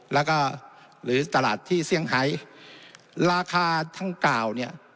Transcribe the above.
แล้วก็หรือตลาดที่เซี่ยงไฮราคาทั้งกล่าวเนี่ย